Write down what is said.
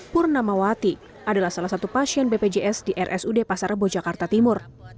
purna mawati adalah salah satu pasien bpjs di rsud pasar bojakarta timur